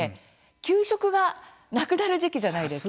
給食がなくなる時期じゃないですか。